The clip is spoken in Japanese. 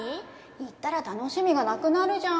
言ったら楽しみがなくなるじゃん